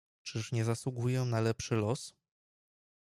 "Czyż nie zasługuję na lepszy los?"